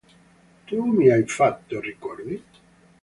Tu mi hai fatto, ricordi?